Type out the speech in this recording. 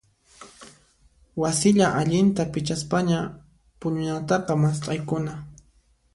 Wasilla allinta pichaspaña puñunataqa mast'aykuna.